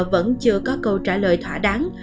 vẫn chưa có câu trả lời thỏa đáng